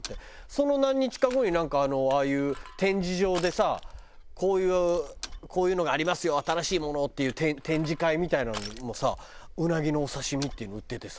その何日か後になんかああいう展示場でさこういうのがありますよ新しいものっていう展示会みたいなのもさうなぎのお刺身っていうの売っててさ。